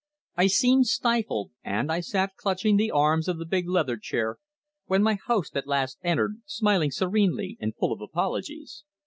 I seemed stifled, and I sat clutching the arms of the big leather chair when my host at last entered, smiling serenely and full of apologies.